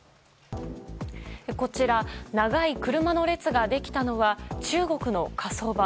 こちら長い車の列ができたのは中国の火葬場。